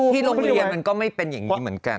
ที่โรงเรียนมันก็ไม่เป็นอย่างนี้เหมือนกัน